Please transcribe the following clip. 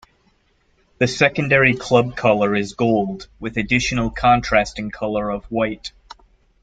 The secondary club colour is Gold, with additional contrasting colour of white.